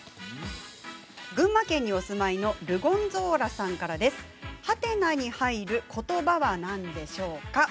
群馬県にお住まいのゴンゾーラさんからです。？に入ることばは何でしょう。